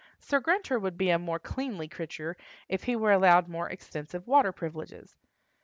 Sir Grunter would be a more cleanly creature if he were allowed more extensive water privileges.